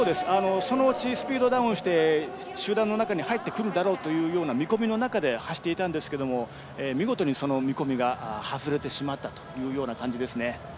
そのうちスピードダウンして集団の中に入ってくるだろうという見込みの中で走っていたんですが見事に、その見込みが外れてしまったという感じですね。